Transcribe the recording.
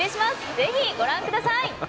ぜひご覧ください。